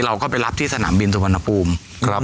เราก็ไปรับที่สนามบินสุวรรณภูมิครับ